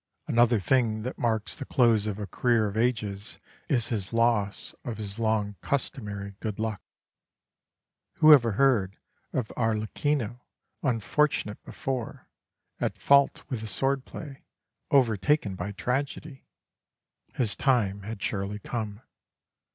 Another thing that marks the close of a career of ages is his loss of his long customary good luck. Who ever heard of Arlecchino unfortunate before, at fault with his sword play, overtaken by tragedy? His time had surely come.